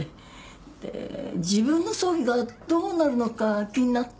で自分の葬儀がどうなるのか気になって。